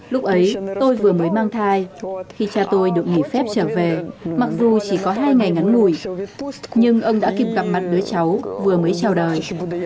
lúc ấy tôi vừa mới mang thai khi cha tôi được nghỉ phép trở về mặc dù chỉ có hai ngày ngắn ngủi nhưng ông đã kịp gặp mặt đứa cháu vừa mới chào đời